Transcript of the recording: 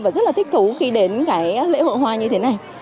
và rất là thích thú khi đến cái lễ hội hoa như thế này